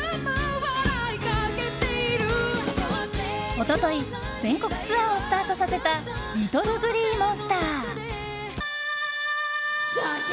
一昨日全国ツアーをスタートさせたＬｉｔｔｌｅＧｌｅｅＭｏｎｓｔｅｒ。